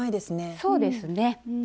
そうですね。